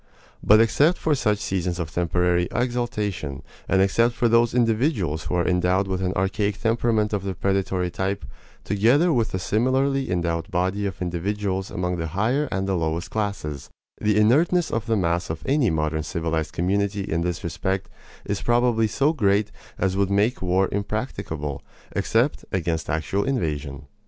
But except for such seasons of temporary exaltation, and except for those individuals who are endowed with an archaic temperament of the predatory type, together with the similarly endowed body of individuals among the higher and the lowest classes, the inertness of the mass of any modern civilized community in this respect is probably so great as would make war impracticable, except against actual invasion.